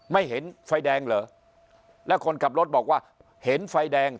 ไม่เห็นไฟแดงเหรอแล้วคนขับรถบอกว่าเห็นไฟแดง